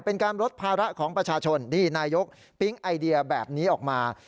เป็นการลดภาระของประชาชนนี่นายกปิ๊งไอเดียแบบนี้ออกมา